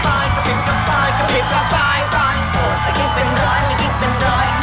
กระพริบกระป่อย